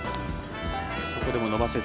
そこでも伸ばせず。